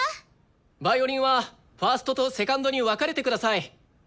ヴァイオリンはファーストとセカンドに分かれてください。